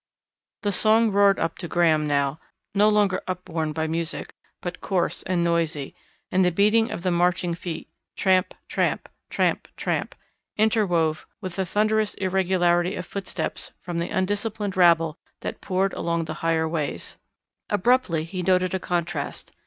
The song roared up to Graham now, no longer upborne by music, but coarse and noisy, and the beating of the marching feet, tramp, tramp, tramp, tramp, interwove with a thunderous irregularity of footsteps from the undisciplined rabble that poured along the higher ways. Abruptly he noted a contrast.